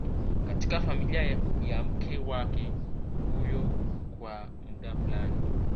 katika familia ya mke wake huyo kwa muda fulani